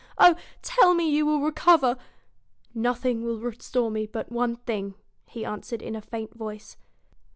Oh, tell me you will recover !' Nothing now will restore me but one thing,' he answered in a faint voice.